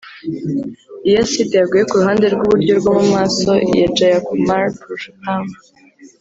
Iyo aside yaguye ku ruhande rw'uburyo rwo mu maso ya Jayakumar Purushottam